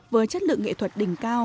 với chất lượng nghệ thuật đỉnh cao